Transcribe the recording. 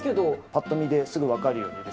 ぱっと見ですぐわかるようにですね。